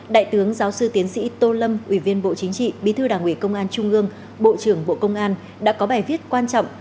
đại tướng giáo sư tiến sĩ tô lâm ủy viên bộ chính trị bí thư đảng ủy công an trung ương bộ trưởng bộ công an đã có bài viết quan trọng